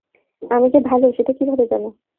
আমি যে ভাল, সেটা কীভাবে জান?